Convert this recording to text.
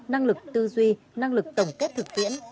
năng lực tư duy năng lực tổng kết thực tiễn